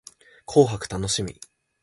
紅白楽しみ